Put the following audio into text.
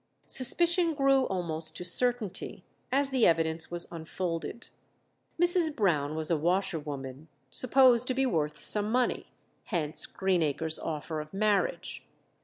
Suspicion grew almost to certainty as the evidence was unfolded. Mrs. Brown was a washer woman, supposed to be worth some money; hence Greenacre's offer of marriage.